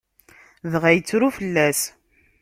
Dɣa yettru fell-as.